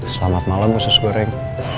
selamat malam musus goreng